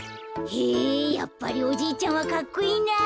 へぇやっぱりおじいちゃんはかっこいいなぁ。